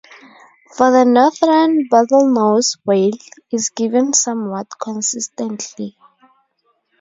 For the northern bottlenose whale, is given somewhat consistently.